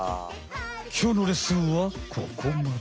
きょうのレッスンはここまで。